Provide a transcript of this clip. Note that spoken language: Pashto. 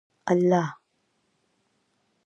الله